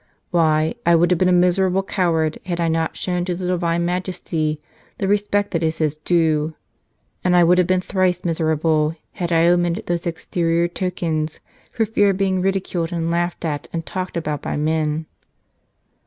Why, I would have been a miserable coward had I not shown to the Divine Majesty the respect that is His due. And I would have been thrice miserable had I omitted those exterior tokens for fear of being ridiculed and laughed at and talked about by men."